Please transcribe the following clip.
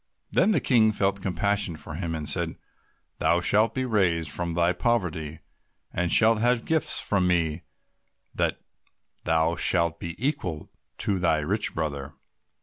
Then the King felt compassion for him, and said, "Thou shalt be raised from thy poverty, and shalt have such gifts from me that thou shalt be equal to thy rich brother."